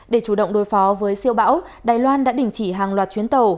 để chủ động đối phó với siêu bão đài loan đã đình chỉ hàng loạt chuyến tàu